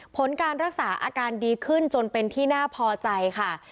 ผลการรักษาอาการดีขึ้นจนเป็นที่น่าพอใจค่ะ